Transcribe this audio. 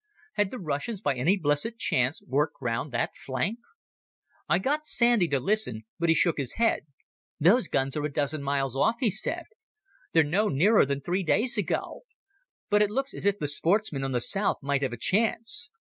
Had the Russians by any blessed chance worked round that flank? I got Sandy to listen, but he shook his head. "Those guns are a dozen miles off," he said. "They're no nearer than three days ago. But it looks as if the sportsmen on the south might have a chance.